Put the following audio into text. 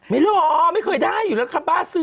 ไม่รอไม่เคยได้อยู่แล้วครับบ้าซื้อ